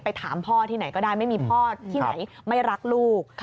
ถามพ่อที่ไหนก็ได้ไม่มีพ่อที่ไหนไม่รักลูก